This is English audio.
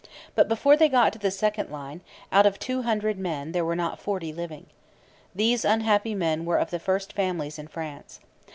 But before they got to the second line, out of two hundred there were not forty living. These unhappy men were of the first families in France.